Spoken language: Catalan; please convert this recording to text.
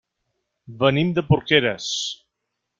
Venim de Porqueres.